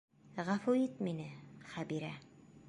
Ғәфү ит мине, Хәбирә.